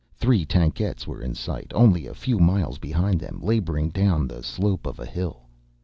Three tankettes were in sight, only a few miles behind them, laboring down the slope of a hill.